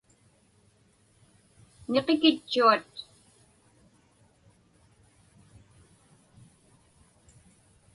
Niqikitchuat.